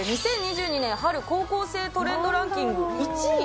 ２０２２年春、高校生トレンドランキング１位。